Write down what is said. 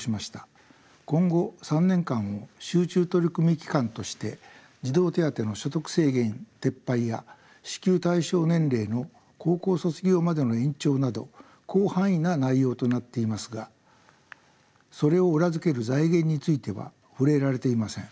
今後３年間を集中取り組み期間として児童手当の所得制限撤廃や支給対象年齢の高校卒業までの延長など広範囲な内容となっていますがそれを裏付ける財源については触れられていません。